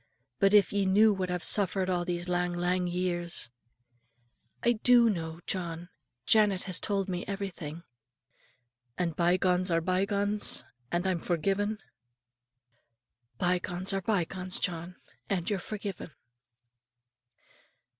But if ye knew what I've suffered a' these lang lang years, " "I do know, John; Janet has told me everything." "And bye gones are bye gones; and I'm forgiven?" "Bye gones are bye gones, John; and you're forgiven."